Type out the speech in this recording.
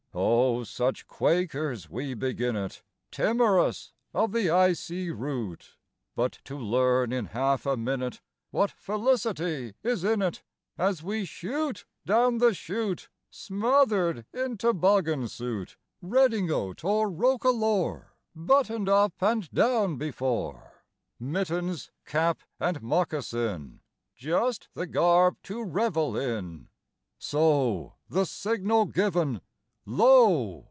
Oh, such quakers we begin it, Timorous of the icy route! But to learn in half a minute What felicity is in it, As we shoot down the chute, Smothered in toboggan suit, Redingote or roquelaure, Buttoned up (and down) before, Mittens, cap, and moccasin, Just the garb to revel in; So, the signal given, lo!